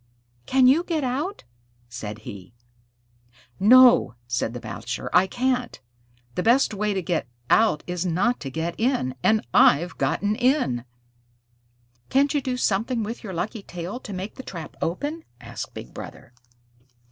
"Can't you get out?" said he. "No," said the Bachelor. "I can't. The best way to get out is not to get in and I've gotten in." "Can't you do something with your lucky tail to make the trap open?" asked Big Brother.